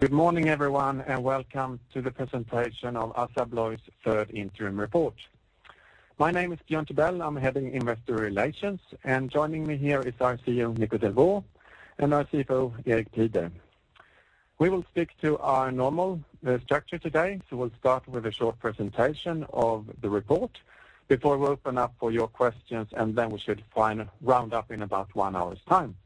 Good morning, everyone, and welcome to the presentation of Assa Abloy's third interim report. My name is Björn Tibell. I'm heading Investor Relations, and joining me here is our CEO, Nico Delvaux, and our CFO, Erik Pieder. We'll stick to our normal structure today. We'll start with a short presentation of the report before we open up for your questions, and then we should round up in about one hour's time.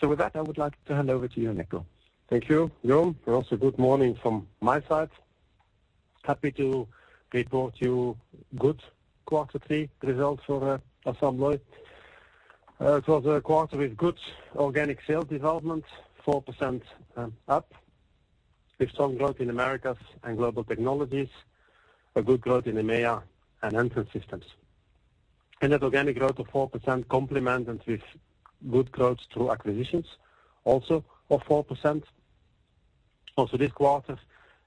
With that, I would like to hand over to you, Nico. Thank you, Björn. Good morning from my side. Happy to report you good quarter three results for Assa Abloy. It was a quarter with good organic sales development, 4% up with strong growth in Americas and Global Technologies, a good growth in EMEA and Entrance Systems. That organic growth of 4% complemented with good growth through acquisitions, also of 4%. This quarter,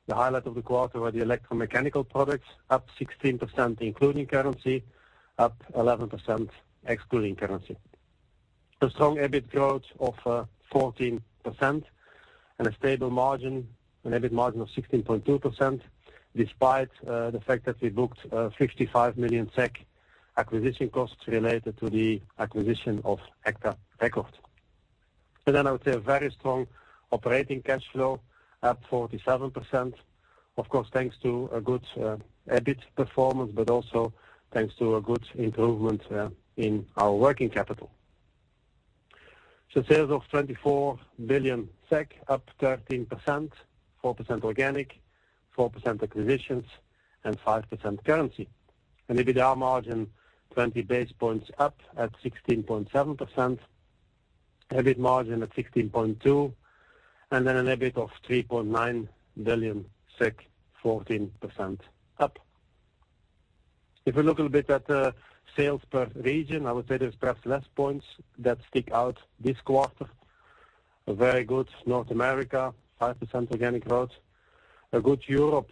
the highlight of the quarter were the electromechanical products up 16%, including currency, up 11% excluding currency. A strong EBIT growth of 14% and a stable margin, an EBIT margin of 16.2%, despite the fact that we booked 55 million SEK acquisition costs related to the acquisition of Agta Record. I would say a very strong operating cash flow up 47%, of course, thanks to a good EBIT performance, but also thanks to a good improvement in our working capital. Sales of 24 billion SEK, up 13%, 4% organic, 4% acquisitions, and 5% currency. EBITDA margin 20 basis points up at 16.7%. EBIT margin at 16.2% and then an EBIT of 3.9 billion SEK, 14% up. If we look a little bit at the sales per region, I would say there's perhaps less points that stick out this quarter. A very good North America, 5% organic growth. A good Europe,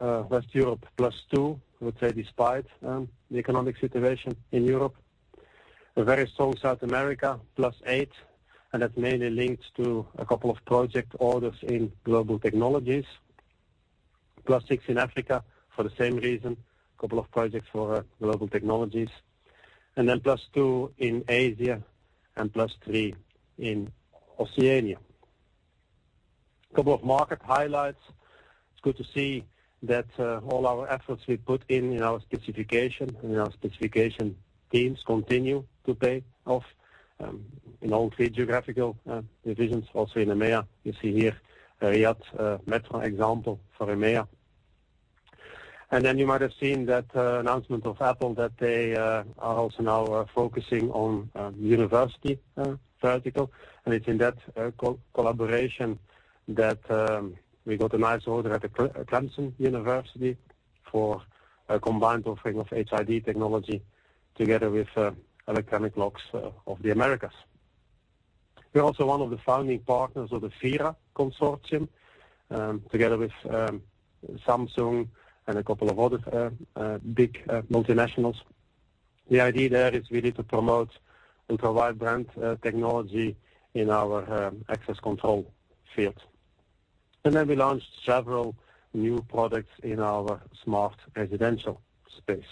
West Europe +2%, I would say, despite the economic situation in Europe. A very strong South America, +8%, and that's mainly linked to a couple of project orders in Global Technologies. +6% in Africa for the same reason, a couple of projects for Global Technologies. +2% in Asia and +3% in Oceania. A couple of market highlights. It is good to see that all our efforts we put in our specification and our specification teams continue to pay off, in all three geographical divisions. In EMEA, you see here Riyadh Metro example for EMEA. You might have seen that announcement of Apple that they are also now focusing on university vertical, and it is in that collaboration that we got a nice order at the Clemson University for a combined offering of HID technology together with electronic locks of the Americas. We are also one of the founding partners of the FiRa Consortium, together with Samsung and a couple of other big multinationals. The idea there is we need to promote and provide brand technology in our access control field. We launched several new products in our smart residential space.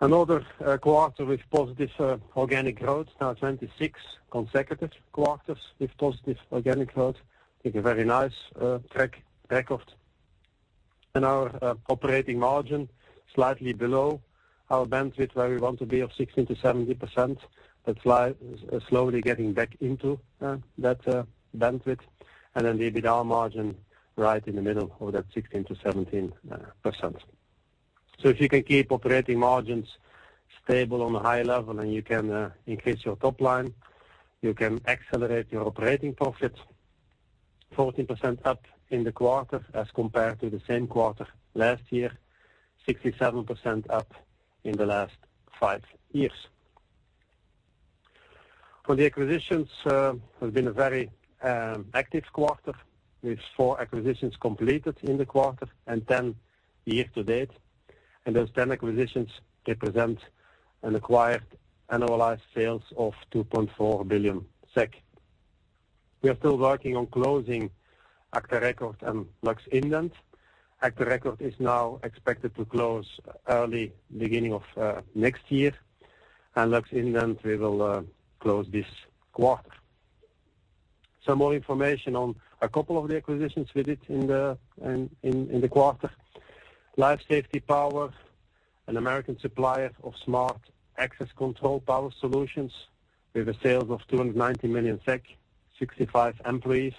Another quarter with positive organic growth, now 26 consecutive quarters with positive organic growth with a very nice track record. Our operating margin slightly below our bandwidth where we want to be of 60%-70%. That's slowly getting back into that bandwidth. The EBITDA margin right in the middle of that 16%-17%. If you can keep operating margins stable on a high level and you can increase your top line, you can accelerate your operating profit 14% up in the quarter as compared to the same quarter last year, 67% up in the last five years. For the acquisitions, it has been a very active quarter with four acquisitions completed in the quarter and 10 year to date. Those 10 acquisitions represent an acquired annualized sales of 2.4 billion SEK. We are still working on closing agta record and LUX-IDent. agta record is now expected to close early beginning of next year. LUX-IDent we will close this quarter. Some more information on a couple of the acquisitions we did in the quarter. LifeSafety Power, an American supplier of smart access control power solutions with sales of 290 million SEK, 65 employees,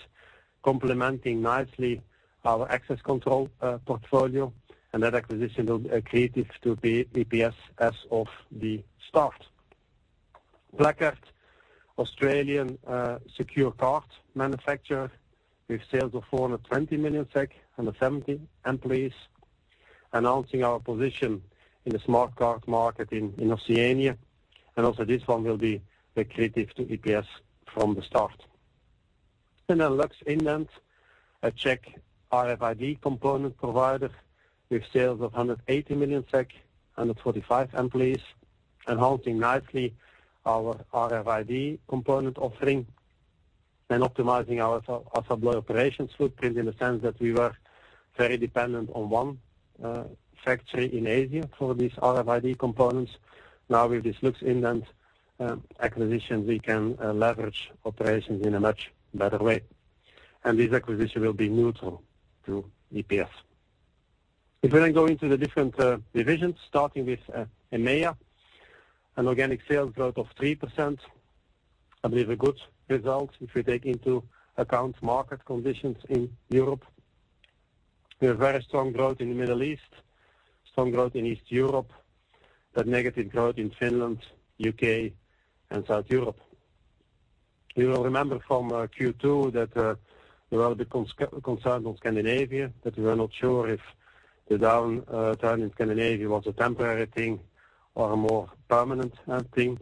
complementing nicely our access control portfolio. That acquisition will accretive to EPS as of the start. Placard, Australian secure card manufacturer with sales of 420 million SEK and 70 employees enhancing our position in the smart card market in Oceania. Also this one will be accretive to EPS from the start. LUX-IDent, a Czech RFID component provider with sales of 180 million SEK, 145 employees, enhancing nicely our RFID component offering and optimizing our supply operations footprint in the sense that we were very dependent on one factory in Asia for these RFID components. With this LUX-IDent acquisition, we can leverage operations in a much better way, and this acquisition will be neutral to EPS. If we go into the different divisions, starting with EMEA, an organic sales growth of 3%. I believe a good result if we take into account market conditions in Europe. We have very strong growth in the Middle East, strong growth in East Europe, but negative growth in Finland, U.K., and South Europe. You will remember from Q2 that there were a bit concerned of Scandinavia, that we were not sure if the downturn in Scandinavia was a temporary thing or a more permanent thing.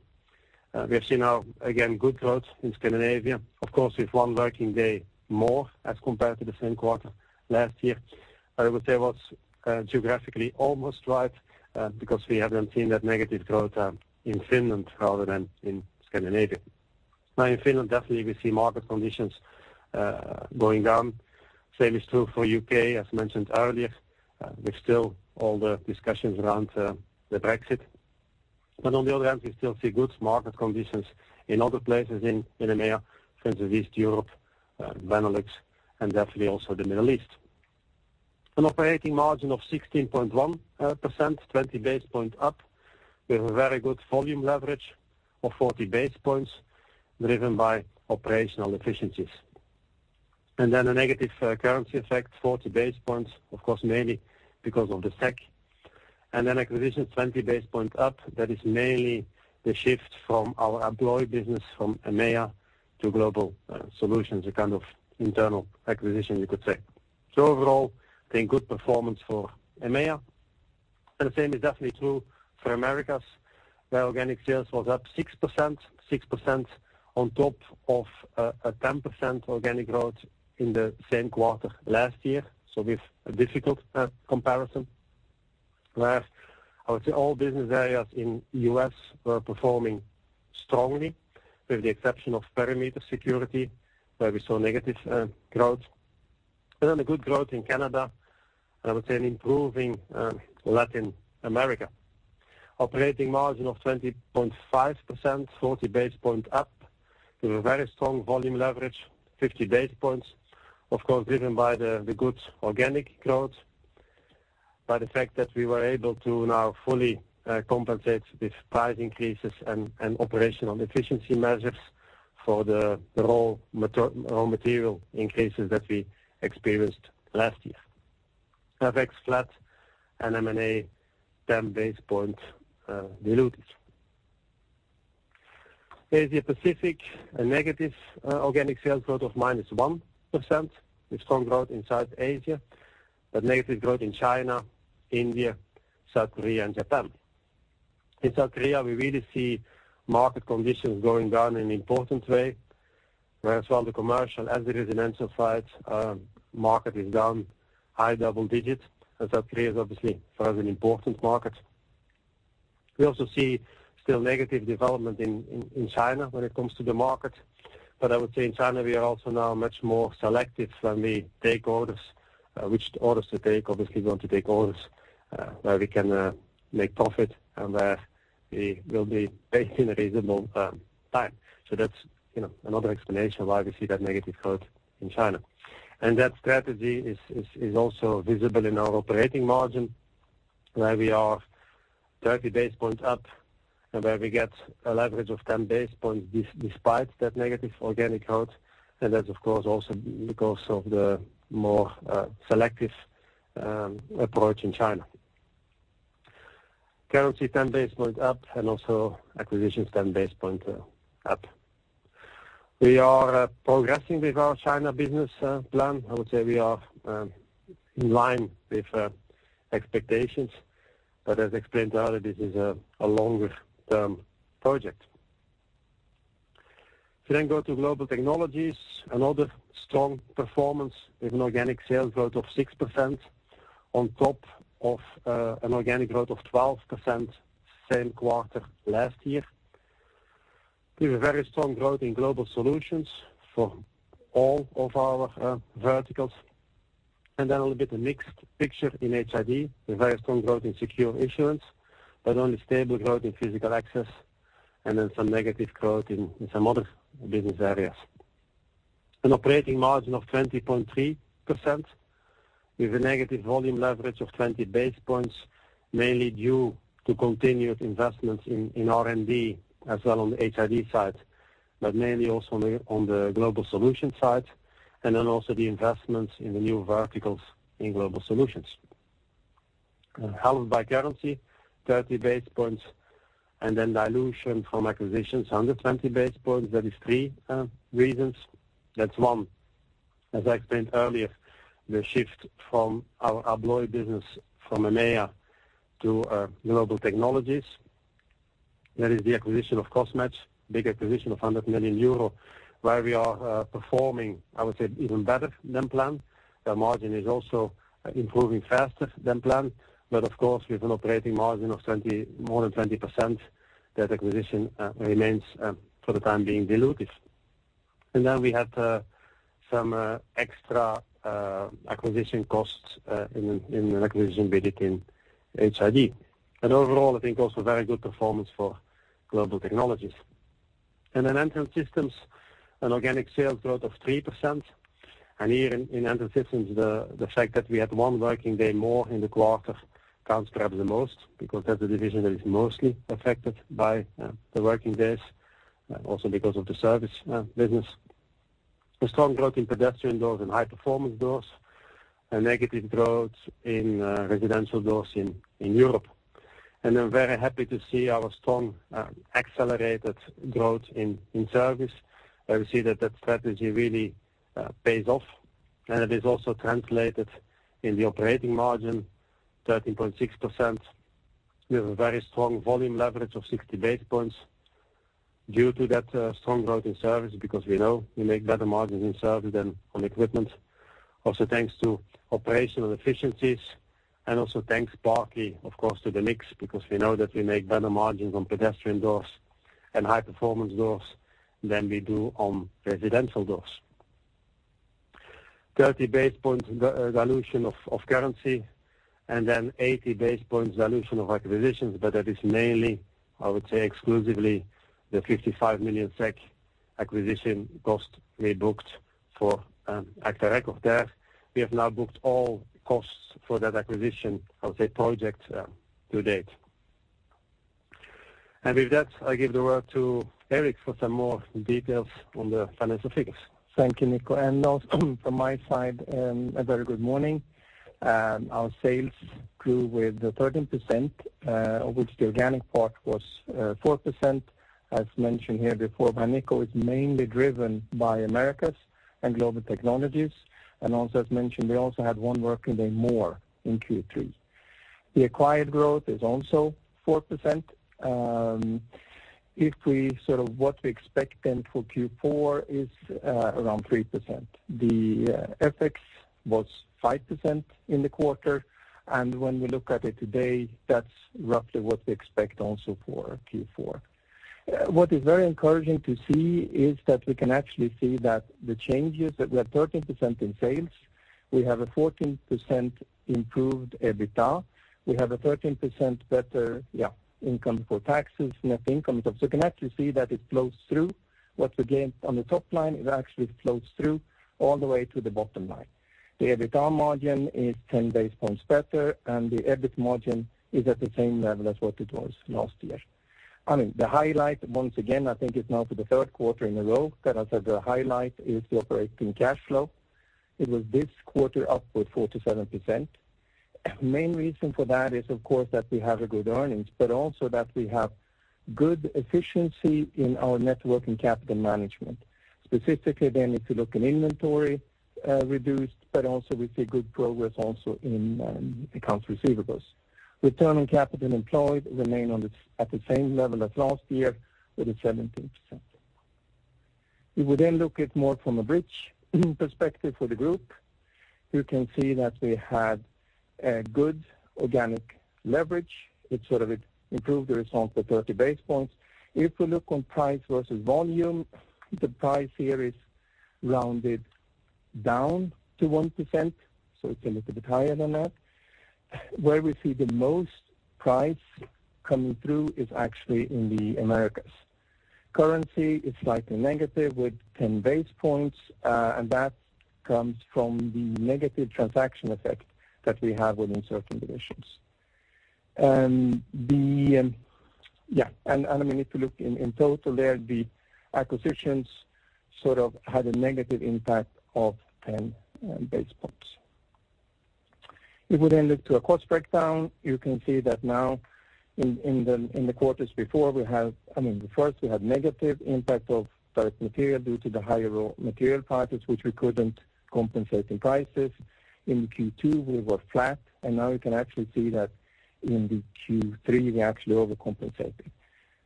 We have seen now, again, good growth in Scandinavia. Of course, with one working day more as compared to the same quarter last year. I would say it was geographically almost right because we haven't seen that negative growth in Finland rather than in Scandinavia. Now in Finland, definitely we see market conditions going down. Same is true for U.K., as mentioned earlier, with still all the discussions around the Brexit. On the other hand, we still see good market conditions in other places in EMEA, Central East Europe, Benelux, and definitely also the Middle East. An operating margin of 16.1%, 20 basis points up, with a very good volume leverage of 40 basis points, driven by operational efficiencies. A negative currency effect, 40 basis points, of course, mainly because of the SEK. Acquisition 20 basis points up, that is mainly the shift from our Abloy business from EMEA to Global Solutions, a kind of internal acquisition, you could say. Overall, I think good performance for EMEA, and the same is definitely true for Americas, where organic sales was up 6%, 6% on top of a 10% organic growth in the same quarter last year. With a difficult comparison there. I would say all business areas in U.S. were performing strongly, with the exception of perimeter security, where we saw negative growth. A good growth in Canada, and I would say an improving Latin America. Operating margin of 20.5%, 40 basis points up, with a very strong volume leverage, 50 basis points, of course, driven by the good organic growth, by the fact that we were able to now fully compensate with price increases and operational efficiency measures for the raw material increases that we experienced last year. FX flat and M&A 10 basis points dilutive. Asia Pacific, a negative organic sales growth of -1%, with strong growth in South Asia, but negative growth in China, India, South Korea, and Japan. In South Korea, we really see market conditions going down in important way, where as well the commercial as it is in infra sides, market is down high double digits, as South Korea is obviously for us an important market. We also see still negative development in China when it comes to the market. I would say in China, we are also now much more selective when we take orders, which orders to take. Obviously, we want to take orders where we can make profit and where we will be paid in a reasonable time. That's another explanation why we see that negative growth in China. That strategy is also visible in our operating margin, where we are 30 basis points up and where we get a leverage of 10 basis points despite that negative organic growth. That's of course also because of the more selective approach in China. Currency, 10 basis points up, and also acquisitions 10 basis points up. We are progressing with our China business plan. I would say we are in line with expectations. As explained earlier, this is a longer-term project. If we then go to Global Technologies, another strong performance with an organic sales growth of 6% on top of an organic growth of 12% same quarter last year. We have a very strong growth in Global Solutions for all of our verticals. A little bit of mixed picture in HID, with very strong growth in secure issuance, but only stable growth in physical access, and then some negative growth in some other business areas. An operating margin of 20.3% with a negative volume leverage of 20 basis points, mainly due to continued investments in R&D as well on the HID side, but mainly also on the Global Solutions side, and then also the investments in the new verticals in Global Solutions. Followed by currency, 30 basis points, dilution from acquisitions, 120 basis points. That is three reasons. That's one, as I explained earlier, the shift from our Abloy business from EMEA to Global Technologies. The acquisition of Crossmatch, big acquisition of 100 million euro, where we are performing, I would say, even better than planned. The margin is also improving faster than planned. Of course, with an operating margin of more than 20%, that acquisition remains for the time being dilutive. We had some extra acquisition costs in the acquisition we did in HID. Overall, I think also very good performance for Global Technologies. Entrance Systems, an organic sales growth of 3%. Here in Entrance Systems, the fact that we had one working day more in the quarter counts perhaps the most because that's the division that is mostly affected by the working days, also because of the service business. A strong growth in pedestrian doors and high performance doors, a negative growth in residential doors in Europe. I'm very happy to see our strong accelerated growth in service. We see that that strategy really pays off, and it is also translated in the operating margin, 13.6%. We have a very strong volume leverage of 60 basis points due to that strong growth in service, because we know we make better margins in service than on equipment. Also thanks to operational efficiencies and also thanks partly, of course, to the mix, because we know that we make better margins on pedestrian doors and high performance doors than we do on residential doors. 30 basis points dilution of currency, and then 80 basis points dilution of acquisitions, but that is mainly, I would say exclusively, the 505 million SEK acquisition cost we booked for agta record. We have now booked all costs for that acquisition of the project to date. With that, I give the word to Erik for some more details on the financial figures. Thank you, Nico. Also from my side, a very good morning. Our sales grew with 13%, of which the organic part was 4%. As mentioned here before by Nico, it's mainly driven by Americas and Global Technologies. Also, as mentioned, we also had one working day more in Q3. The acquired growth is also 4%. If we sort of what we expect then for Q4 is around 3%. The FX was 5% in the quarter. When we look at it today, that's roughly what we expect also for Q4. What is very encouraging to see is that we can actually see that the changes, that we have 13% in sales, we have a 14% improved EBITDA. We have a 13% better income for taxes, net income. You can actually see that it flows through what we gain on the top line, it actually flows through all the way to the bottom line. The EBITDA margin is 10 basis points better, and the EBIT margin is at the same level as what it was last year. I mean, the highlight once again, I think is now for the third quarter in a row, can I say the highlight is the operating cash flow. It was this quarter up with 47%. Main reason for that is, of course, that we have a good earnings, but also that we have good efficiency in our net working capital management. Specifically, if you look in inventory reduced, but also we see good progress also in accounts receivables. Return on capital employed remain at the same level as last year with a 17%. We then look at more from a bridge perspective for the group, you can see that we had a good organic leverage, which sort of improved the result for 30 basis points. If we look on price versus volume, the price here is rounded down to 1%, so it's a little bit higher than that. Where we see the most price coming through is actually in the Americas. Currency is slightly negative with 10 basis points, and that comes from the negative transaction effect that we have within certain divisions. If we look in total there, the acquisitions sort of had a negative impact of 10 basis points. If we look to a cost breakdown, you can see that now in the quarters before, I mean, first we had negative impact of direct material due to the higher raw material prices, which we couldn't compensate in prices. In Q2, we were flat. Now we can actually see that in the Q3, we actually overcompensate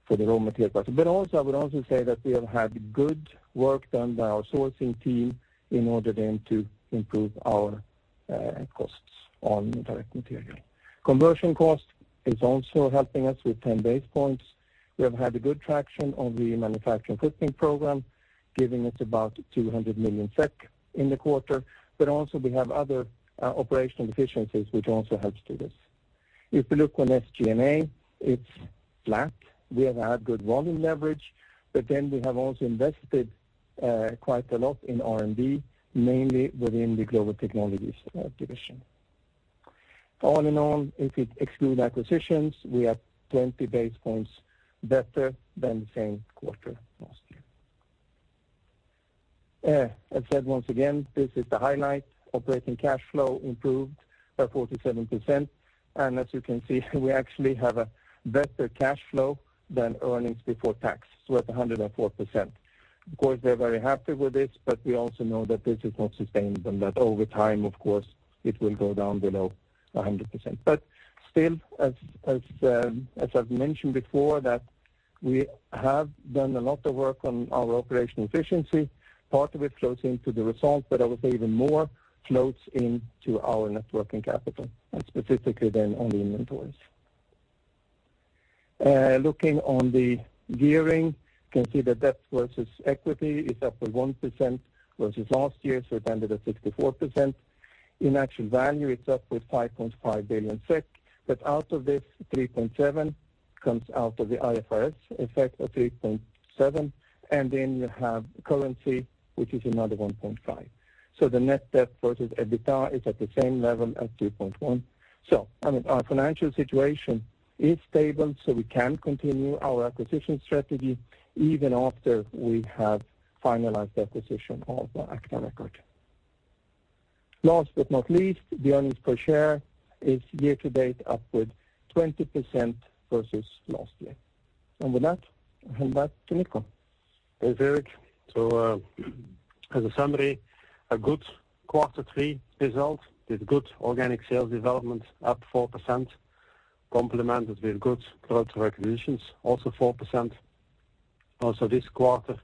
for the raw material price. Also, I would also say that we have had good work done by our sourcing team in order to improve our costs on direct material. Conversion cost is also helping us with 10 basis points. We have had a good traction on the manufacturing fitting program, giving us about 200 million SEK in the quarter. Also we have other operational efficiencies which also helps to this. If you look on SG&A, it's flat. We have had good volume leverage. We have also invested quite a lot in R&D, mainly within the Global Technologies division. All in all, if you exclude acquisitions, we are 20 basis points better than the same quarter last year. As said once again, this is the highlight. Operating cash flow improved by 47%. As you can see, we actually have a better cash flow than earnings before tax. At 104%. Of course, we're very happy with this, but we also know that this is not sustainable, and that over time, of course, it will go down below 100%. Still, as I've mentioned before, that we have done a lot of work on our operational efficiency. Part of it flows into the results, but I would say even more flows into our net working capital, specifically only in inventories. Looking on the gearing, you can see the debt versus equity is up with 1% versus last year's, we ended at 64%. In actual value, it's up with 5.5 billion SEK. Out of this, 3.7 comes out of the IFRS effect of 3.7, you have currency, which is another 1.5. The net debt versus EBITDA is at the same level as 2.1. Our financial situation is stable, so we can continue our acquisition strategy even after we have finalized the acquisition of the Agta Record. Last but not least, the earnings per share is year to date upward 20% versus last year. With that, I hand back to Nico. Thanks, Erik. As a summary, a good quarter three result with good organic sales development up 4%, complemented with good growth acquisitions, also 4%. Also this quarter,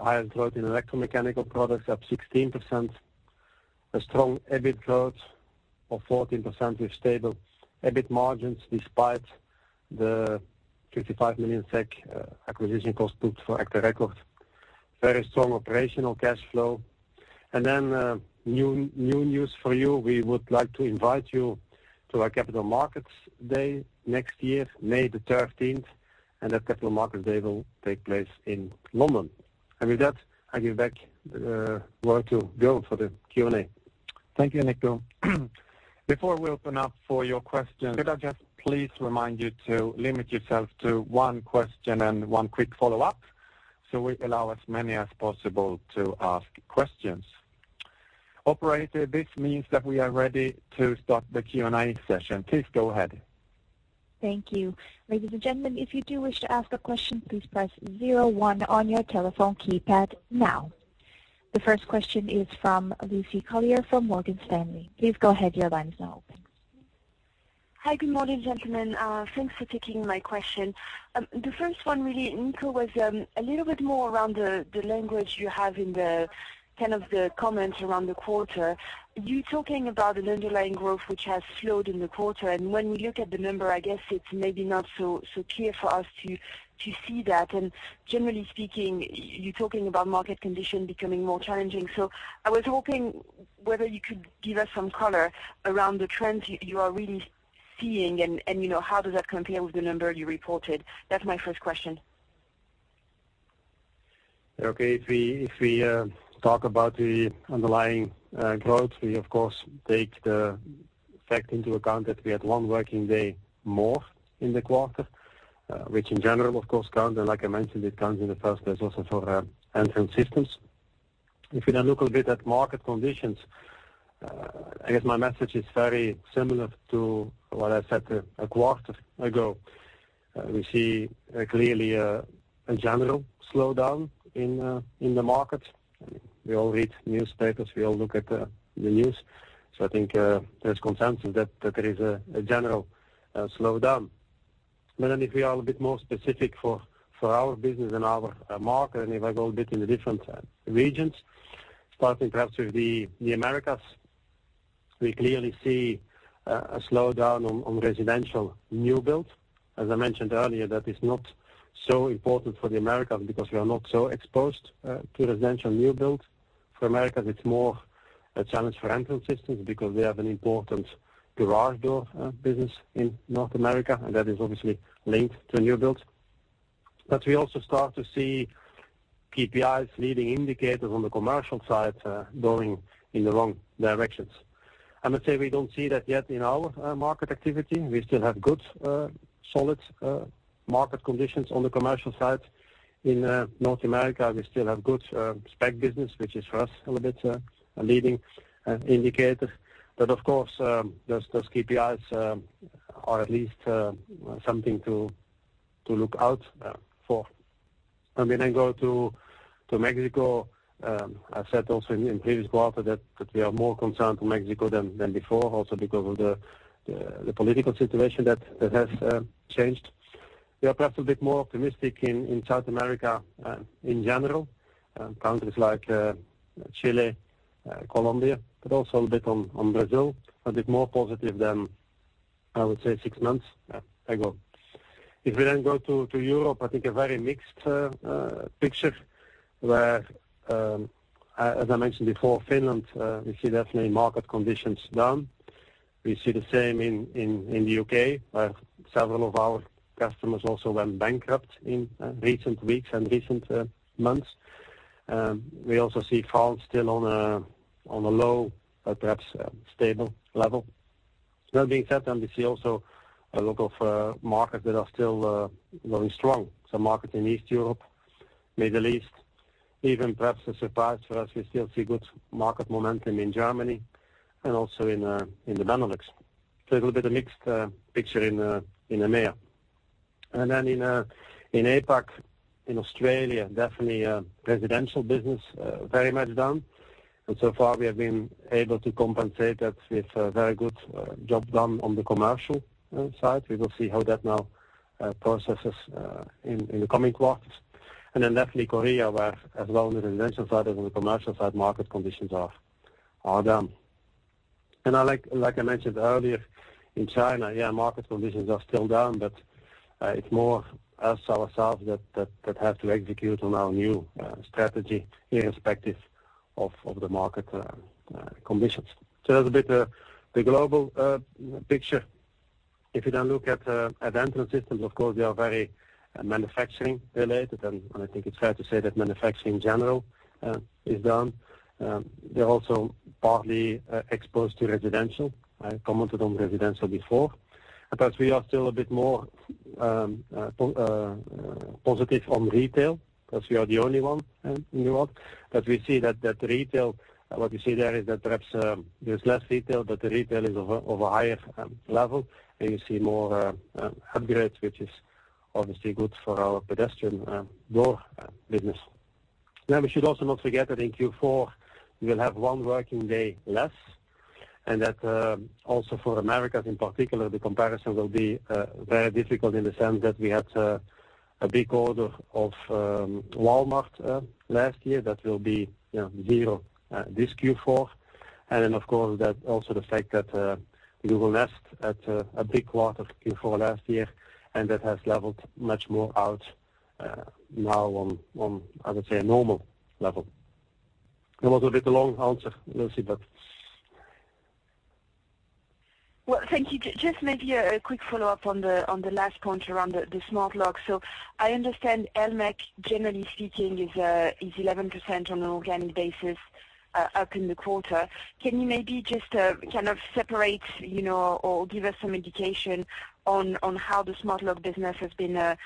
higher growth in electromechanical products up 16%. A strong EBIT growth of 14% with stable EBIT margins despite the 55 million SEK acquisition cost booked for agta record. Very strong operational cash flow. New news for you. We would like to invite you to our Capital Markets Day next year, May the 13th. That Capital Markets Day will take place in London. With that, I give back the word to Björn for the Q&A. Thank you, Nico. Before we open up for your questions, could I just please remind you to limit yourself to one question and one quick follow-up so we allow as many as possible to ask questions. Operator, this means that we are ready to start the Q&A session. Please go ahead. Thank you. Ladies and gentlemen, if you do wish to ask a question, please press zero one on your telephone keypad now. The first question is from Lucie Carrier from Morgan Stanley. Please go ahead, your line is now open. Hi, good morning, gentlemen. Thanks for taking my question. The first one really, Nico, was a little bit more around the language you have in the comments around the quarter. You're talking about an underlying growth which has slowed in the quarter, and when we look at the number, I guess it's maybe not so clear for us to see that. Generally speaking, you're talking about market condition becoming more challenging. I was hoping whether you could give us some color around the trends you are really seeing, and how does that compare with the number you reported? That's my first question. Okay. If we talk about the underlying growth, we of course take the fact into account that we had one working day more in the quarter, which in general, of course, like I mentioned, it comes in the first place also for Entrance Systems. If we now look a bit at market conditions, I guess my message is very similar to what I said a quarter ago. We see clearly a general slowdown in the market. We all read newspapers, we all look at the news. I think there's consensus that there is a general slowdown. If we are a bit more specific for our business and our market, and if I go a bit in the different regions, starting perhaps with the Americas, we clearly see a slowdown on residential new build. As I mentioned earlier, that is not so important for the Americas because we are not so exposed to residential new build. For Americas, it's more a challenge for Entrance Systems because they have an important garage door business in North America, and that is obviously linked to new builds. We also start to see KPIs, leading indicators on the commercial side going in the wrong directions. I must say, we don't see that yet in our market activity. We still have good, solid market conditions on the commercial side. In North America, we still have good spec business, which is for us a little bit a leading indicator. Of course, those KPIs are at least something to look out for. We then go to Mexico. I said also in the previous quarter that we are more concerned for Mexico than before, also because of the political situation that has changed. We are perhaps a bit more optimistic in South America in general. Countries like Chile, Colombia, but also a bit on Brazil, a bit more positive than, I would say, six months ago. If we go to Europe, I think a very mixed picture where, as I mentioned before, Finland, we see definitely market conditions down. We see the same in the U.K., where several of our customers also went bankrupt in recent weeks and recent months. We also see France still on a low, but perhaps stable level. That being said, we see also a local market that are still going strong. Markets in East Europe, Middle East, even perhaps a surprise for us, we still see good market momentum in Germany and also in the Benelux. A little bit of mixed picture in EMEA. In APAC, in Australia, definitely residential business very much down. So far, we have been able to compensate that with a very good job done on the commercial side. We will see how that now processes in the coming quarters. Definitely Korea, where as well on the residential side and on the commercial side, market conditions are down. Like I mentioned earlier, in China, market conditions are still down, but it's more us ourselves that have to execute on our new strategy irrespective of the market conditions. That's a bit the global picture. If you look at Entrance Systems, of course, they are very manufacturing related. I think it's fair to say that manufacturing in general is down. They're also partly exposed to residential. I commented on residential before. We are still a bit more positive on retail because we are the only one in the world. We see that retail, what we see there is that perhaps there's less retail, but the retail is of a higher level, and you see more upgrades, which is obviously good for our pedestrian door business. We should also not forget that in Q4, we'll have one working day less, and that also for Americas in particular, the comparison will be very difficult in the sense that we had a big order of Walmart last year that will be zero this Q4. Of course, that also the fact that Google Nest had a big quarter Q4 last year, and that has leveled much more out now on, I would say, a normal level. That was a bit long answer, Lucie, but. Well, thank you. Just maybe a quick follow-up on the last point around the smart lock. I understand electromechanical, generally speaking, is 11% on an organic basis up in the quarter. Can you maybe just kind of separate or give us some indication on how the smart lock business has been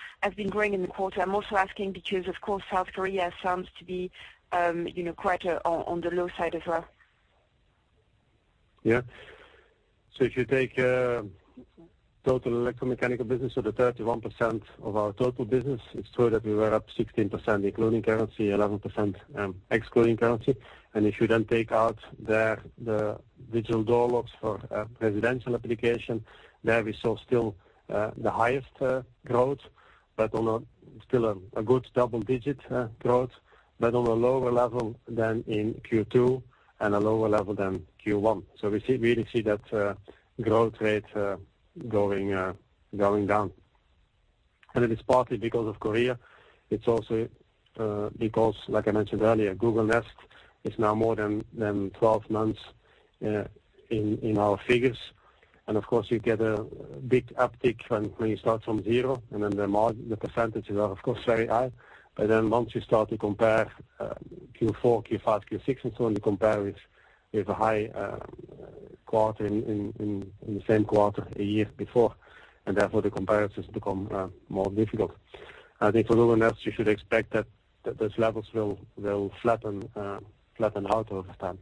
growing in the quarter? I'm also asking because, of course, South Korea sounds to be quite on the low side as well. If you take total electromechanical business or the 31% of our total business, it is true that we were up 16% including currency, 11% excluding currency. If you take out there the digital door locks for residential application, there we saw still the highest growth, but on a still a good double-digit growth, but on a lower level than in Q2 and a lower level than Q1. We really see that growth rate going down. It is partly because of Korea. It is also because, like I mentioned earlier, Google Nest is now more than 12 months in our figures. Of course, you get a big uptick when you start from zero, the percentages are, of course, very high. Once you start to compare Q4, Q5, Q6, and so on, you compare with a high quarter in the same quarter a year before, and therefore the comparisons become more difficult. I think for Google Nest, you should expect that those levels will flatten out over time.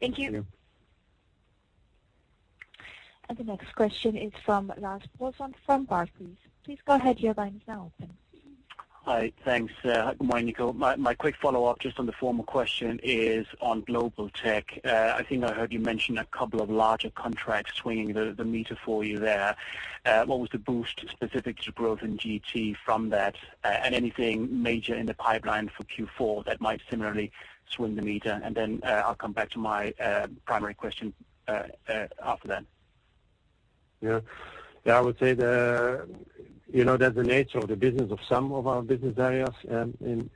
Thank you. Yeah. The next question is from Lars Brorson from Barclays please. Please go ahead, your line is now open. Hi. Thanks. Good morning, Nico. My quick follow-up, just on the former question, is on Global Tech. I think I heard you mention a couple of larger contracts swinging the meter for you there. What was the boost specific to growth in GT from that? Anything major in the pipeline for Q4 that might similarly swing the meter? I'll come back to my primary question after that. Yeah. I would say that the nature of the business of some of our business areas in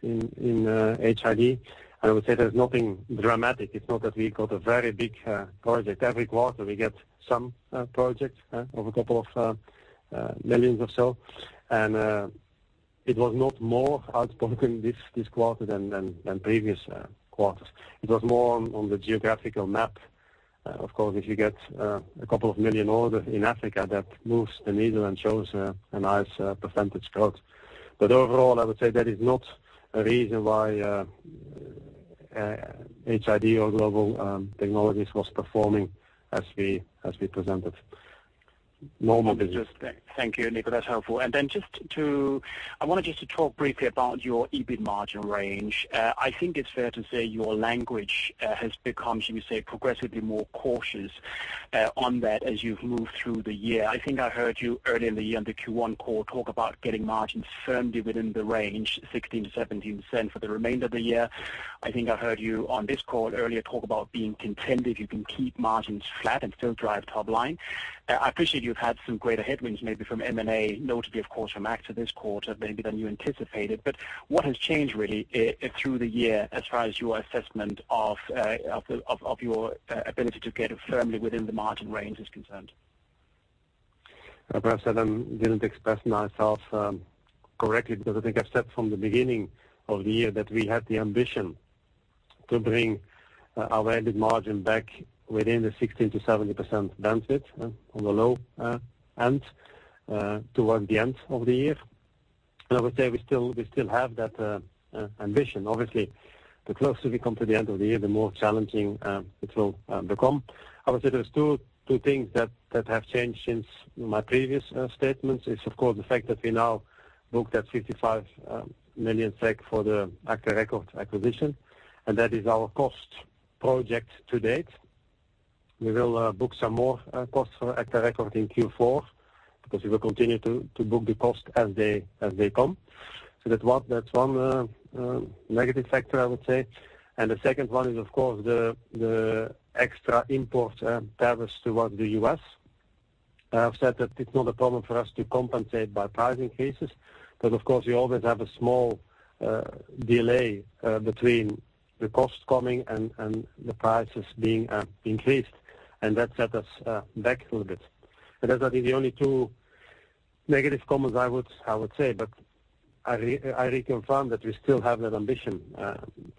HID, I would say there's nothing dramatic. It's not that we got a very big project. Every quarter we get some projects of a couple of million or so. It was not more outspoken this quarter than previous quarters. It was more on the geographical map. Of course, if you get a couple of million order in Africa, that moves the needle and shows a nice percentage growth. Overall, I would say that is not a reason why HID or Global Technologies was performing as we presented. Normal business. Thank you, Nico. That's helpful. I wanted just to talk briefly about your EBIT margin range. I think it's fair to say your language has become, should we say, progressively more cautious on that as you've moved through the year. I think I heard you early in the year on the Q1 call talk about getting margins firmly within the range, 16%-17%, for the remainder of the year. I think I heard you on this call earlier talk about being content if you can keep margins flat and still drive top line. I appreciate you've had some greater headwinds, maybe from M&A, notably, of course, from Agta this quarter, maybe than you anticipated. What has changed, really, through the year as far as your assessment of your ability to get it firmly within the margin range is concerned? Perhaps I then didn't express myself correctly because I think I've said from the beginning of the year that we had the ambition to bring our EBIT margin back within the 16%-17% bandwidth on the low end toward the end of the year. I would say we still have that ambition. Obviously, the closer we come to the end of the year, the more challenging it will become. I would say there's two things that have changed since my previous statements is, of course, the fact that we now booked that 55 million SEK for the agta record acquisition, and that is our cost project to date. We will book some costs for agta record in Q4 because we will continue to book the cost as they come. That's one negative factor I would say. The second one is, of course, the extra import tariffs towards the U.S. I've said that it's not a problem for us to compensate by pricing increases, but of course, we always have a small delay between the costs coming and the prices being increased, and that set us back a little bit. Those are the only two negative comments I would say, but I reconfirm that we still have that ambition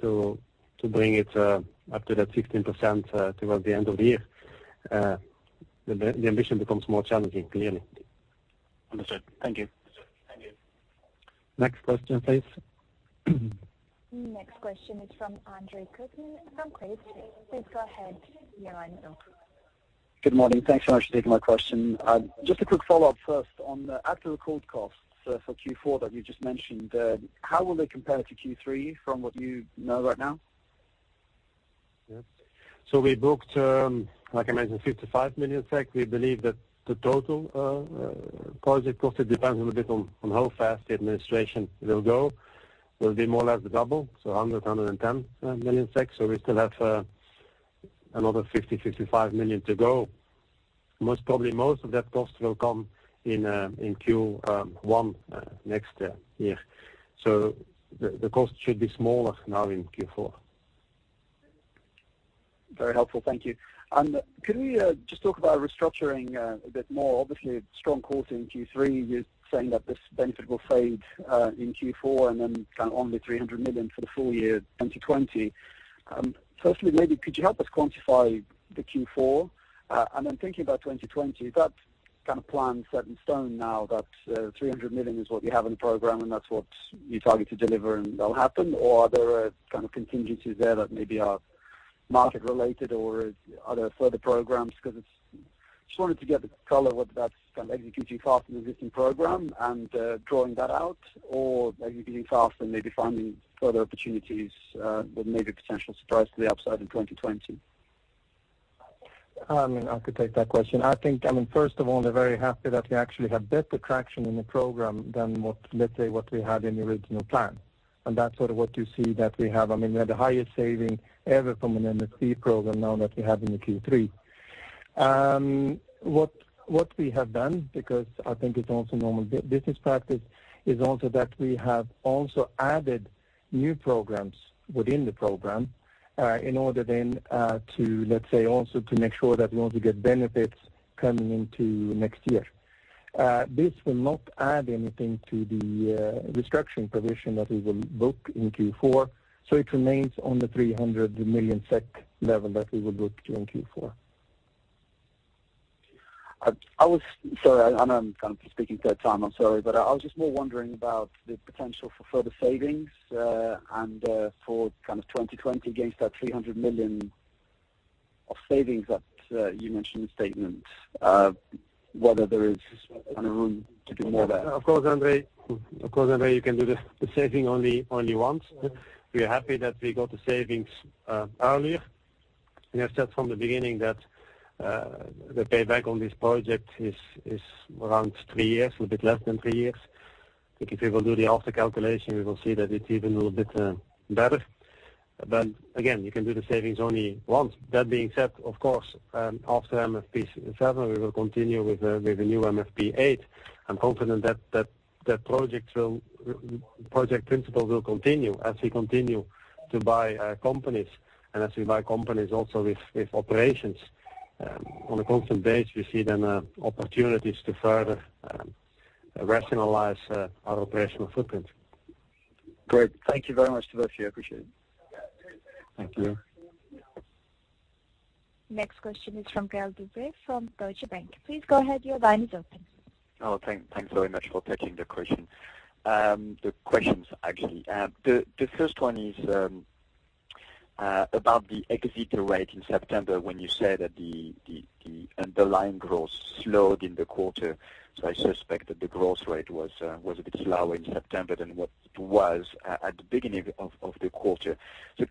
to bring it up to that 16% towards the end of the year. The ambition becomes more challenging, clearly. Understood. Thank you. Next question, please. The next question is from Andre Kukhnin from Crédit Suisse. Please go ahead. Your line is open. Good morning. Thanks so much for taking my question. Just a quick follow-up first on the Agta Record costs for Q4 that you just mentioned. How will they compare to Q3 from what you know right now? Yes. We booked, like I mentioned, 55 million. We believe that the total project cost, it depends a little bit on how fast the administration will go, will be more or less double, 100 million-110 million. We still have another 50 million-55 million to go. Most probably most of that cost will come in Q1 next year. The cost should be smaller now in Q4. Very helpful. Thank you. Could we just talk about restructuring a bit more? Obviously, strong quarter in Q3. You're saying that this benefit will fade in Q4 and then only 300 million for the full year 2020. Firstly, maybe could you help us quantify the Q4? Thinking about 2020, is that plan set in stone now that 300 million is what you have in the program and that's what you target to deliver and that'll happen? Are there contingencies there that maybe are market related or are there further programs? Just wanted to get the color whether that's kind of executing faster than existing program and drawing that out or executing faster and maybe finding further opportunities that may be potential surprise to the upside in 2020. I could take that question. I think, first of all, we're very happy that we actually have better traction in the program than what, let's say, what we had in the original plan. That's sort of what you see that we have. We had the highest saving ever from an MFP program now that we have in the Q3. What we have done, because I think it's also normal business practice, is also that we have also added new programs within the program in order then to, let's say, also to make sure that we also get benefits coming into next year. This will not add anything to the restructuring provision that we will book in Q4, so it remains on the 300 million SEK level that we will book during Q4. Sorry, I know I'm kind of speaking third time. I'm sorry, I was just more wondering about the potential for further savings, and for kind of 2020 against that 300 million of savings that you mentioned in the statement, whether there is room to do more there. Of course, Andre, you can do the saving only once. We are happy that we got the savings earlier. We have said from the beginning that the payback on this project is around three years, a little bit less than three years. I think if we will do the after calculation, we will see that it's even a little bit better. Again, you can do the savings only once. That being said, of course, after MFP7, we will continue with the new MFP8. I'm confident that project principle will continue as we continue to buy companies. As we buy companies also with operations on a constant base, we see then opportunities to further rationalize our operational footprint. Great. Thank you very much, Nico Delvaux. I appreciate it. Thank you. Next question is from Gaël de-Bray from Deutsche Bank. Please go ahead. Your line is open. Oh, thanks very much for taking the question. The questions, actually. The first one is about the exit rate in September when you say that the underlying growth slowed in the quarter. I suspect that the growth rate was a bit slower in September than what it was at the beginning of the quarter.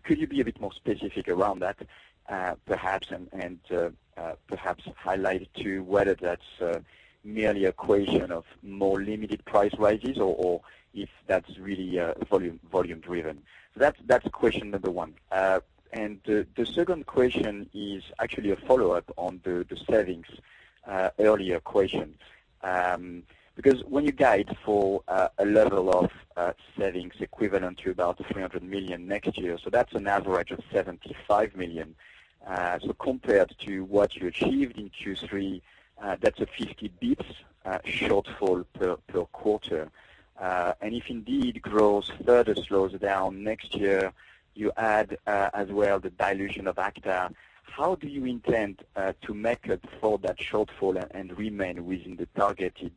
Could you be a bit more specific around that perhaps, and perhaps highlight, too, whether that's merely a question of more limited price rises or if that's really volume driven? That's question number 1. The second question is actually a follow-up on the savings earlier question. When you guide for a level of savings equivalent to about 300 million next year, that's an average of 75 million. Compared to what you achieved in Q3, that's a 50 basis points shortfall per quarter. If indeed growth further slows down next year, you add as well the dilution of Agta. How do you intend to make up for that shortfall and remain within the targeted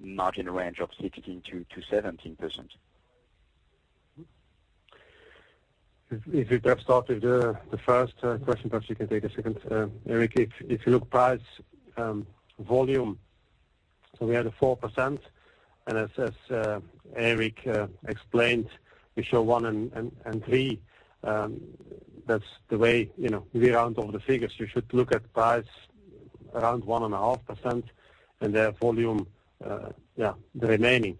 margin range of 16%-17%? If we have started the first question, perhaps you can take a second, Erik. If you look price, volume, we had a 4%, and as Erik explained, we show one and three. That's the way we round off the figures. You should look at price around 1.5% and then volume, yeah, the remaining.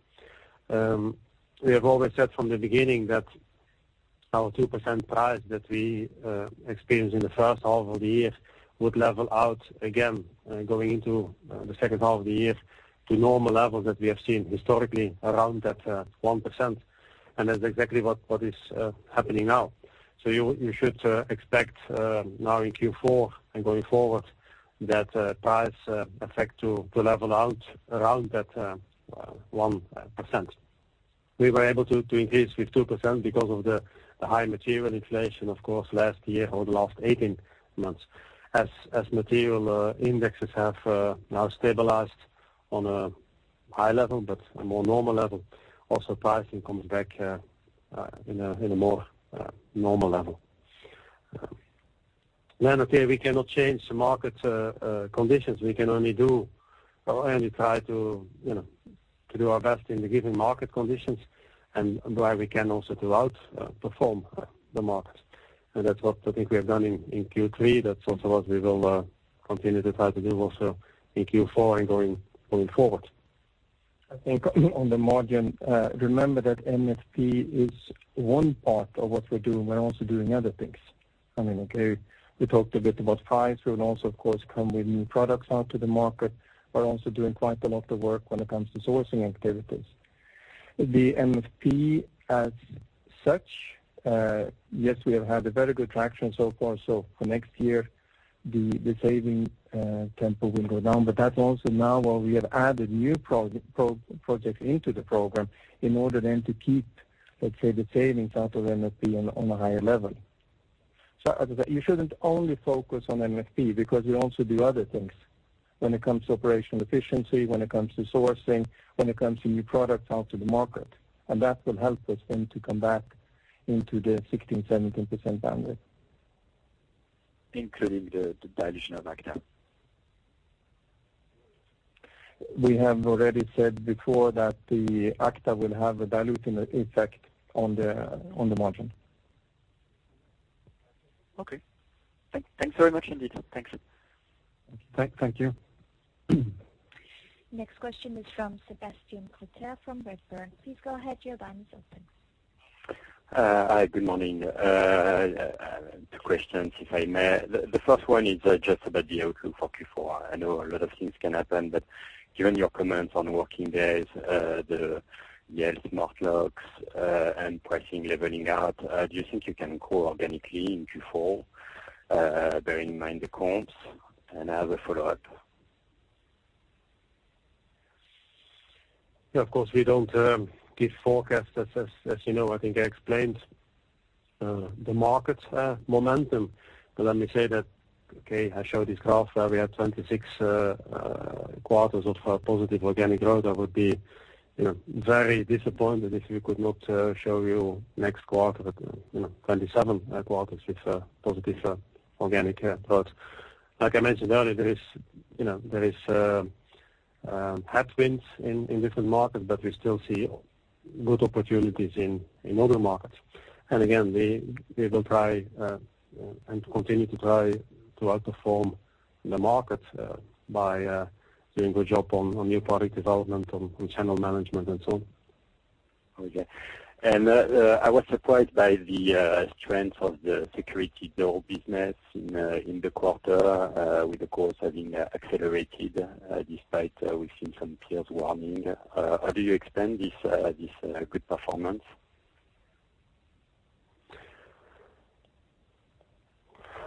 We have always said from the beginning that our 2% price that we experienced in the first half of the year would level out again, going into the second half of the year to normal levels that we have seen historically around that 1%. That's exactly what is happening now. You should expect now in Q4 and going forward that price effect to level out around that 1%. We were able to increase with 2% because of the high material inflation, of course, last year or the last 18 months. As material indexes have now stabilized on a high level, but a more normal level, also pricing comes back in a more normal level. Okay, we cannot change the market conditions. We can only try to do our best in the given market conditions and where we can also throughout perform the market. That's what I think we have done in Q3. That's also what we will continue to try to do also in Q4 and going forward. I think on the margin, remember that MFP is one part of what we're doing. We're also doing other things. Okay, we talked a bit about price. We will also, of course, come with new products out to the market. We're also doing quite a lot of work when it comes to sourcing activities. The MFP as such, yes, we have had a very good traction so far. For next year, the saving tempo will go down. That's also now where we have added new projects into the program in order then to keep, let's say, the savings out of MFP on a higher level. You shouldn't only focus on MFP because we also do other things when it comes to operational efficiency, when it comes to sourcing, when it comes to new products out to the market. That will help us then to come back into the 16, 17% bandwidth. Including the dilution of Agta? We have already said before that the Agta will have a dilutive effect on the margin. Okay. Thanks very much, indeed. Thanks. Thank you. Next question is from Sebastien Gruter from Redburn. Please go ahead, your line is open. Hi, good morning. Two questions, if I may. The first one is just about the outlook for Q4. I know a lot of things can happen, but given your comments on working days, the Yale Smart Locks, and pricing leveling out, do you think you can grow organically in Q4 bearing in mind the comps? I have a follow-up. Yeah, of course, we don't give forecasts. As you know, I think I explained the market momentum. Let me say that, okay, I showed this graph where we had 26 quarters of positive organic growth. I would be very disappointed if we could not show you next quarter, 27 quarters with positive organic growth. Like I mentioned earlier, there is headwinds in different markets, but we still see good opportunities in other markets. Again, we will try and continue to try to outperform the market by doing a good job on new product development, on channel management and so on. Okay. I was surprised by the strength of the security door business in the quarter with the costs having accelerated despite we've seen some peers warning. How do you explain this good performance?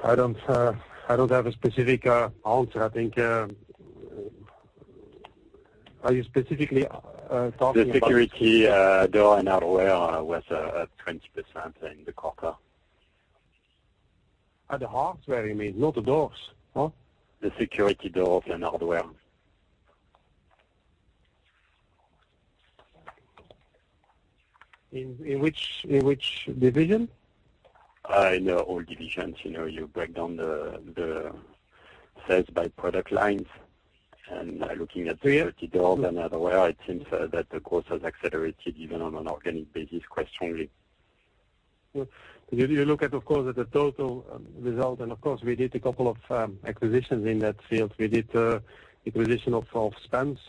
I don't have a specific answer. I think, are you specifically talking about? The security door and hardware was up 20% in the quarter. The hardware you mean, not the doors? The security doors and hardware. In which division? In all divisions. You break down the sales by product lines, and looking at security doors and hardware, it seems that the cost has accelerated even on an organic basis, quite strongly. You look at, of course, at the total result, and of course, we did a couple of acquisitions in that field. We did the acquisition of Spence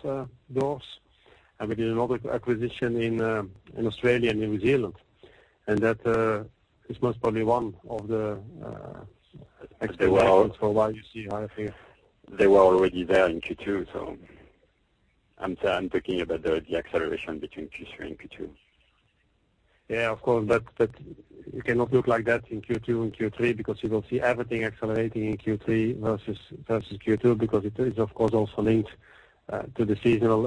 Doors, and we did another acquisition in Australia and New Zealand. That is most probably one of the acquisitions for why you see higher figures. They were already there in Q2. I'm talking about the acceleration between Q3 and Q2. Yeah, of course, you cannot look like that in Q2 and Q3 because you will see everything accelerating in Q3 versus Q2 because it is of course also linked to the seasonal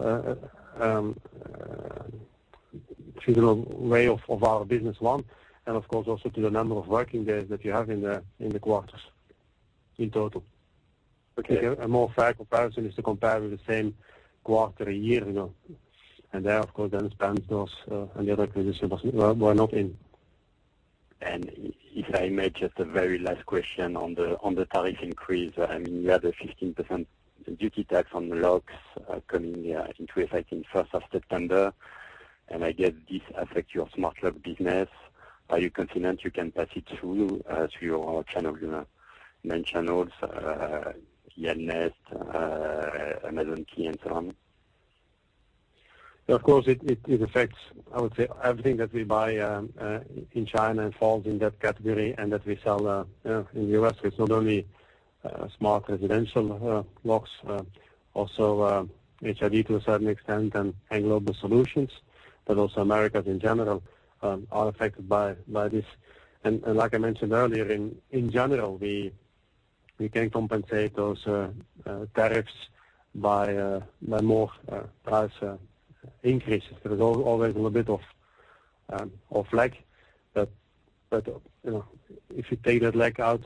way of our business one, and of course also to the number of working days that you have in the quarters. In total. Okay. A more fair comparison is to compare with the same quarter a year ago. There, of course, then Spence Doors and the other acquisition were not in. If I may, just the very last question on the tariff increase. You have the 15% duty tax on locks coming, I think, with first of September. I get this affects your smart lock business. Are you confident you can pass it through to your main channels, Yale Nest, Amazon Key and so on? Of course, it affects, I would say, everything that we buy in China and falls in that category and that we sell in the U.S. It is not only smart residential locks, also HID to a certain extent and Global Solutions, but also Americas in general are affected by this. Like I mentioned earlier, in general, we can compensate those tariffs by more price increases. There is always a little bit of lag. If you take that lag out,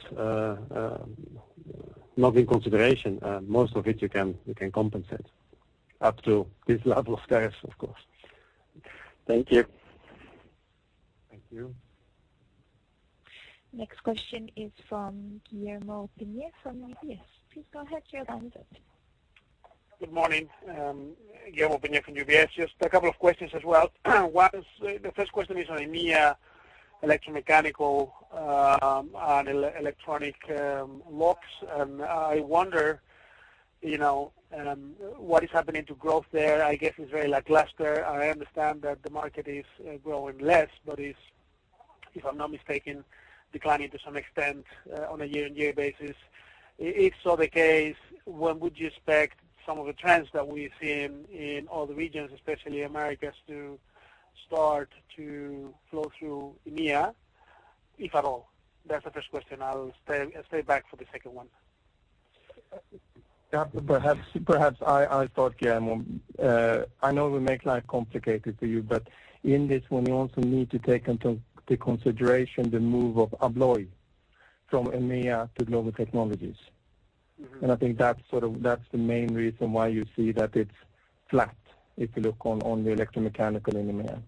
not in consideration, most of it you can compensate up to this level of tariffs, of course. Thank you. Thank you. Next question is from Guillermo Peigneux-Lojo from UBS. Please go ahead, Guillermo. Good morning. Guillermo Peigneux-Lojo from UBS. Just a couple of questions as well. The first question is on EMEA electromechanical and electronic locks. I wonder what is happening to growth there. I guess it's very lackluster. I understand that the market is growing less. Is, if I'm not mistaken, declining to some extent on a year-on-year basis. If so the case, when would you expect some of the trends that we've seen in other regions, especially Americas, to start to flow through EMEA, if at all? That's the first question. I'll stay back for the second one. Perhaps, I thought, Guillermo, I know we make life complicated for you, but in this one, we also need to take into consideration the move of Abloy from EMEA to Global Technologies. I think that's the main reason why you see that it's flat if you look on the electromechanical in EMEA.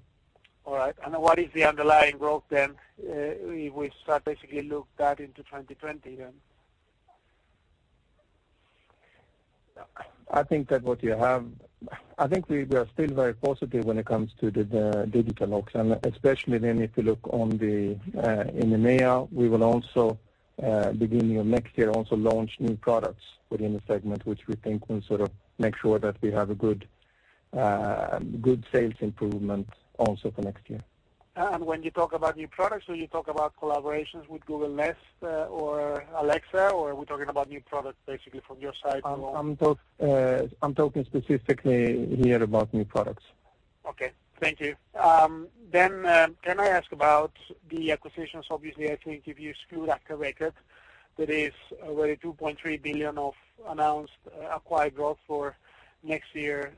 All right. What is the underlying growth then if we strategically look that into 2020? I think we are still very positive when it comes to the digital locks, especially if you look in the EMEA, we will also, beginning of next year, also launch new products within the segment, which we think will sort of make sure that we have a good sales improvement also for next year. When you talk about new products, will you talk about collaborations with Google Nest or Alexa, or are we talking about new products basically from your side? I'm talking specifically here about new products. Okay. Thank you. Can I ask about the acquisitions? Obviously, I think if you exclude Agta Record, that is already 2.3 billion of announced acquired growth for next year.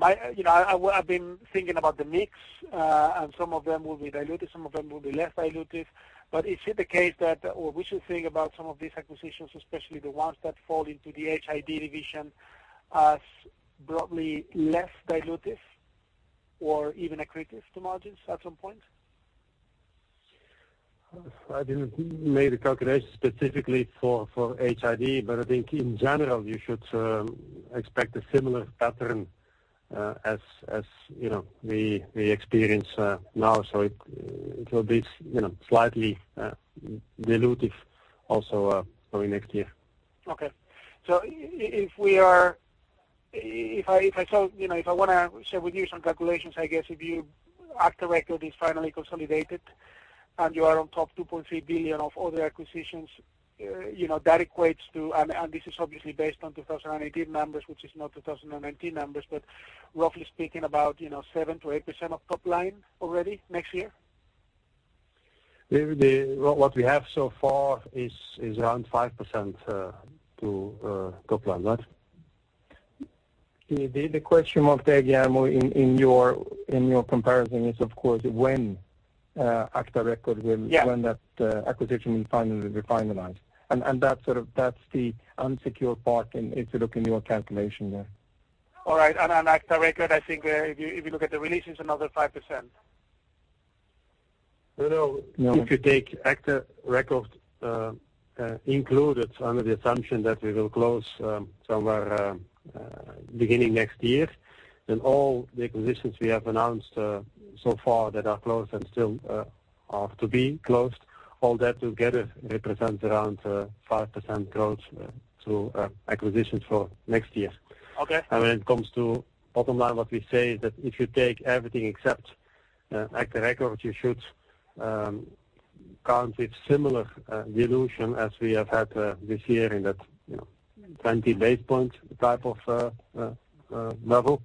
I've been thinking about the mix, and some of them will be dilutive, some of them will be less dilutive, but is it the case that we should think about some of these acquisitions, especially the ones that fall into the HID division, as broadly less dilutive or even accretive to margins at some point? I didn't make a calculation specifically for HID, but I think in general, you should expect a similar pattern as we experience now. It will be slightly dilutive also probably next year. If I want to share with you some calculations, I guess if Agta Record is finally consolidated and you are on top 2.3 billion of other acquisitions, that equates to, and this is obviously based on 2018 numbers, which is not 2019 numbers, but roughly speaking about 7%-8% of top line already next year? What we have so far is around 5% to top line. Right? The question marked there, Guillermo, in your comparison is, of course, when Agta Record. Yeah when that acquisition will be finalized. That's the unsecure part if you look in your calculation there. All right. Agta Record, I think if you look at the release, it's another 5%. Well, no. If you take Agta Record included under the assumption that we will close somewhere beginning next year, then all the acquisitions we have announced so far that are closed and still are to be closed, all that together represents around 5% growth to acquisitions for next year. Okay. When it comes to bottom line, what we say is that if you take everything except Agta Record, you should count with similar dilution as we have had this year in that 20 basis points type of level.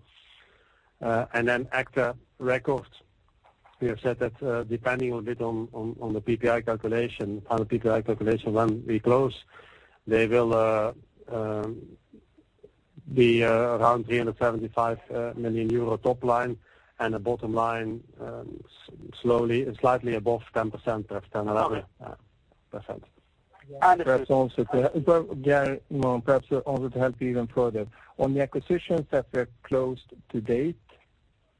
Then Agta Record, we have said that depending a bit on the final PPA calculation when we close, they willThe around 375 million euro top line and the bottom line slowly and slightly above 10%, perhaps 10 or 11%. Understood. Perhaps in order to help you even further. On the acquisitions that were closed to date,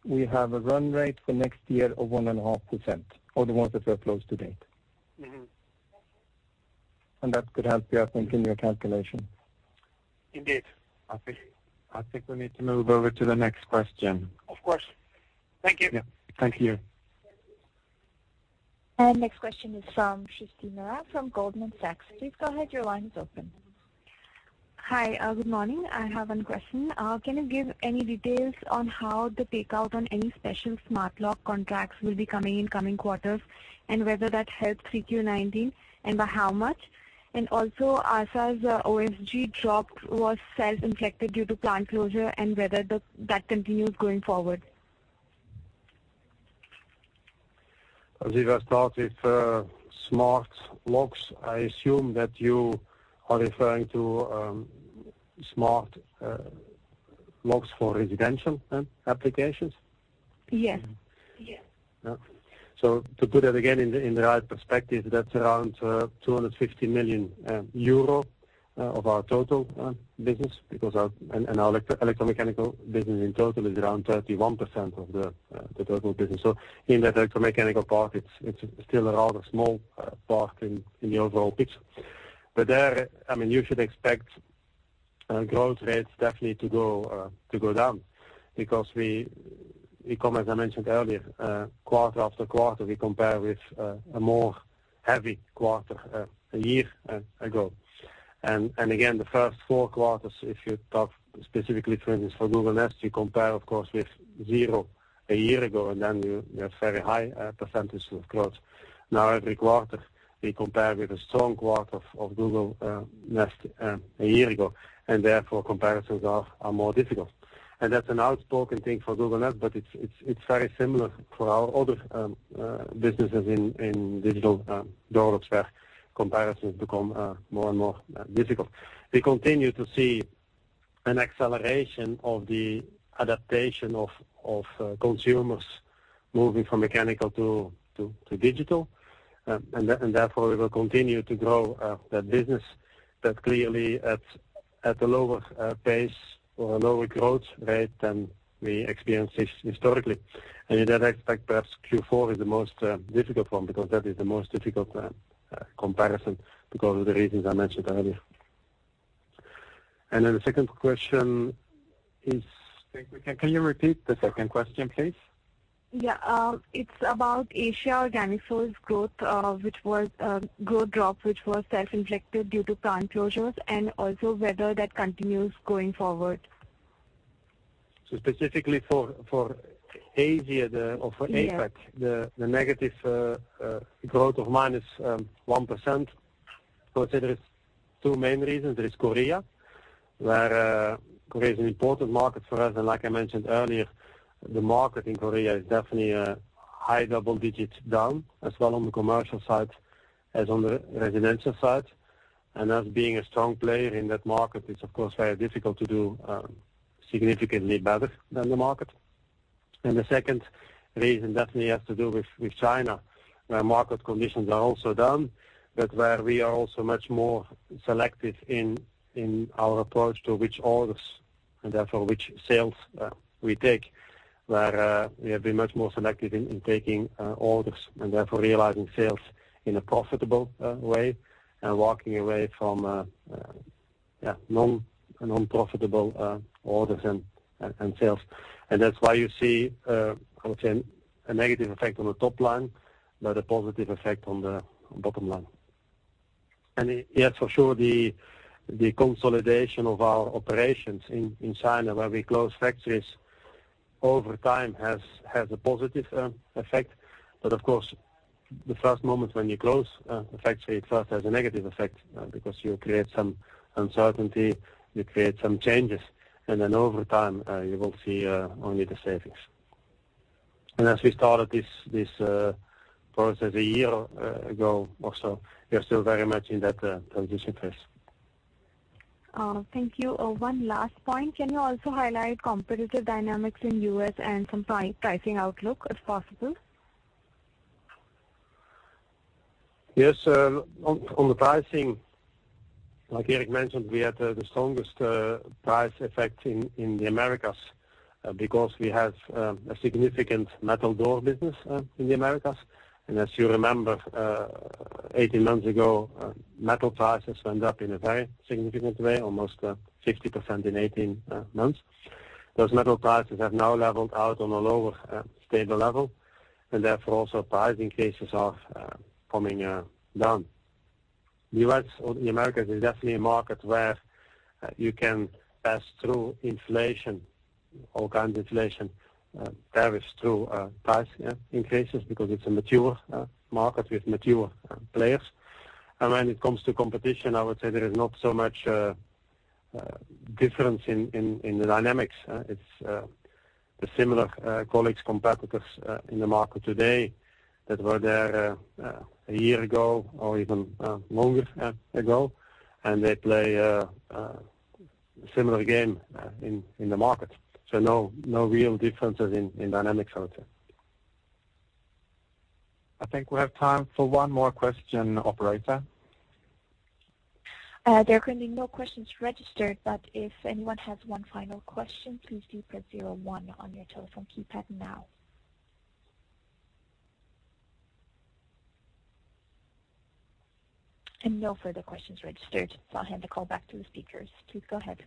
we have a run rate for next year of 1.5%. That could help you, I think, in your calculation. Indeed. I think we need to move over to the next question. Of course. Thank you. Yeah. Thank you. Next question is from [Shistina Raj] from Goldman Sachs. Please go ahead. Your line is open. Hi. Good morning. I have one question. Can you give any details on how the payout on any special smart lock contracts will be coming in coming quarters, and whether that helped Q19 and by how much? Also, Assa's OSG drop was self-inflicted due to plant closure and whether that continues going forward? As we've established, smart locks, I assume that you are referring to smart locks for residential applications? Yes. To put that again in the right perspective, that's around 250 million euro of our total business, and our electromechanical business in total is around 31% of the total business. In that electromechanical part, it's still a rather small part in the overall picture. There, you should expect growth rates definitely to go down because as I mentioned earlier, quarter after quarter, we compare with a more heavy quarter a year ago. Again, the first four quarters, if you talk specifically for instance, for Google Nest, you compare, of course, with zero a year ago, and then you have very high percentage of growth. Now every quarter we compare with a strong quarter of Google Nest a year ago, and therefore comparisons are more difficult. That's an outspoken thing for Google Nest, but it's very similar for our other businesses in digital doors, where comparisons become more and more difficult. We continue to see an acceleration of the adaptation of consumers moving from mechanical to digital. Therefore we will continue to grow that business, but clearly at a lower pace or a lower growth rate than we experienced historically. In that aspect, perhaps Q4 is the most difficult one because that is the most difficult comparison because of the reasons I mentioned earlier. The second question is Can you repeat the second question, please? Yeah. It's about Asia organic sales growth drop, which was self-inflicted due to plant closures, and also whether that continues going forward. Specifically for Asia or for APAC. Yeah the negative growth of -1%. I would say there is two main reasons. There is Korea. Korea is an important market for us. Like I mentioned earlier, the market in Korea is definitely a high double digits down, as well on the commercial side as on the residential side. Us being a strong player in that market, it's of course very difficult to do significantly better than the market. The second reason definitely has to do with China, where market conditions are also down, but where we are also much more selective in our approach to which orders and therefore which sales we take. Where we have been much more selective in taking orders and therefore realizing sales in a profitable way and walking away from non-profitable orders and sales. That's why you see a negative effect on the top line, but a positive effect on the bottom line. Yes, for sure, the consolidation of our operations in China where we close factories over time has a positive effect. Of course, the first moment when you close a factory, it first has a negative effect because you create some uncertainty, you create some changes, and then over time, you will see only the savings. As we started this process a year ago or so, we are still very much in that transition phase. Thank you. One last point. Can you also highlight competitive dynamics in U.S. and some pricing outlook, if possible? Yes. On the pricing, like Erik mentioned, we had the strongest price effect in the Americas because we have a significant metal door business in the Americas. As you remember, 18 months ago, metal prices went up in a very significant way, almost 60% in 18 months. Those metal prices have now leveled out on a lower, stable level, and therefore also pricing cases are coming down. The U.S. or the Americas is definitely a market where you can pass through inflation, all kinds of inflation, pass through price increases because it's a mature market with mature players. When it comes to competition, I would say there is not so much difference in the dynamics. It's the similar colleagues, competitors in the market today that were there a year ago or even longer ago, and they play a similar game in the market. No real differences in dynamics, I would say. I think we have time for one more question, operator. There are currently no questions registered, but if anyone has one final question, please do press zero one on your telephone keypad now. No further questions registered, so I'll hand the call back to the speakers. Please go ahead.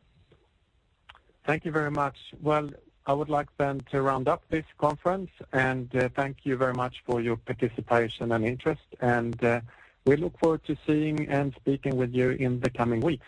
Thank you very much. Well, I would like then to round up this conference, and thank you very much for your participation and interest, and we look forward to seeing and speaking with you in the coming weeks.